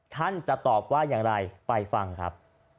ท่านจะตอบว่าอย่างไรไปฟังครับ